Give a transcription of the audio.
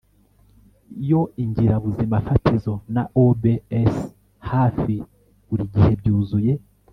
Yoo ingirabuzimafatizo na O b s hafi buri gihe byuzuye